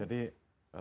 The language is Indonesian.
ya betul mbak desi